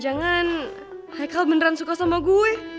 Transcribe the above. jangan jangan haikal beneran suka sama gue